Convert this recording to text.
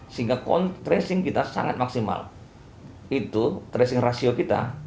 sehingga tracing kita sangat maksimal itu tracing rasio kita